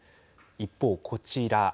一方、こちら。